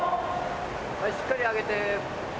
はいしっかり上げて。